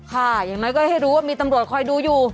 อย่างน้อยก็ให้รู้ว่ามีตำรวจคอยดูอยู่